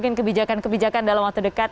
mungkin kebijakan kebijakan dalam waktu dekat